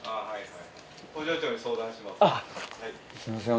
はい。